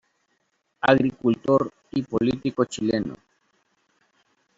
Agricultor y político chileno.